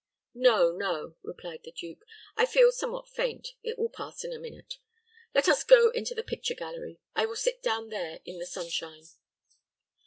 "No, no," replied the duke. "I feel somewhat faint: it will pass by in a moment. Let us go into the picture gallery. I will sit down there in the sunshine."